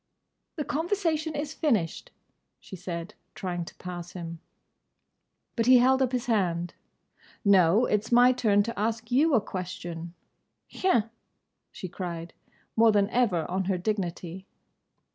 "The conversation is finished," she said, trying to pass him. But he held up his hand. "No. It's my turn to ask you a question!" "Hein?" she cried, more than ever on her dignity.